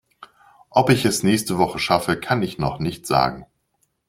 Ob ich es nächste Woche schaffe, kann ich noch nicht sagen.